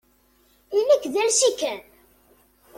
Ili-k d alsi kan.